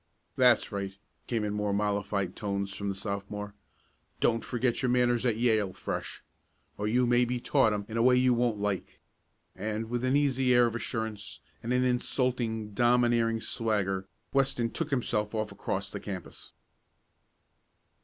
"That's right," came in more mollified tones from the Sophomore. "Don't forget your manners at Yale, Fresh.! Or you may be taught 'em in a way you won't like," and with an easy air of assurance, and an insulting, domineering swagger, Weston took himself off across the campus.